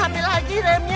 ambil lagi remnya